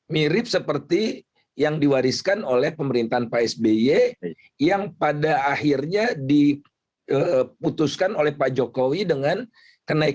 mirip seperti yang diwariskan oleh pemerintahan pak sby yang pada akhirnya diputuskan oleh pak jokowi dengan kenaikan